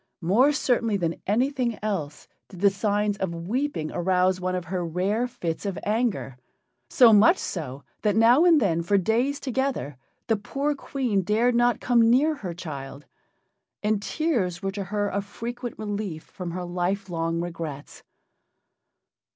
More certainly than anything else did the signs of weeping arouse one of her rare fits of anger so much so that now and then, for days together, the poor Queen dared not come near her child, and tears were to her a frequent relief from her lifelong regrets.